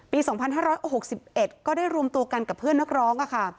ปี๒๕๖๑ก็ได้รวมตัวกันกับเพื่อนนักร้อง